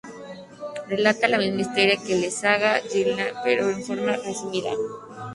Relata la misma historia que la "saga Ynglinga" pero de una forma resumida.